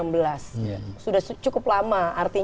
oursiel mu mum yang menggunakan universitas khas